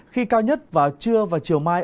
khi cao nhất vào trưa và chiều mai